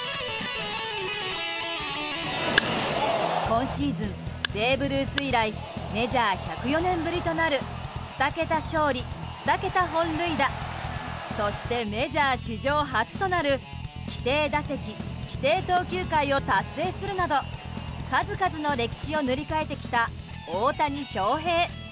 今シーズンベーブ・ルース以来メジャー１０４年ぶりとなる２桁勝利２桁本塁打そしてメジャー史上初となる規定打席、規定投球回を達成するなど数々の歴史を塗り替えてきた大谷翔平。